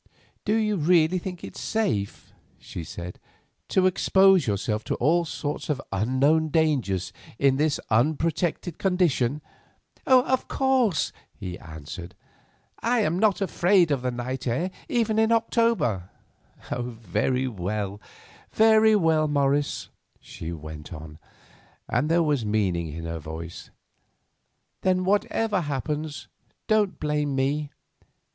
"Do you really think it safe," she said, "to expose yourself to all sorts of unknown dangers in this unprotected condition?" "Of course," he answered. "I am not afraid of the night air even in October." "Very well, very well, Morris," she went on, and there was meaning in her voice; "then whatever happens don't blame me.